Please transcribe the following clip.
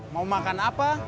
mau makan apa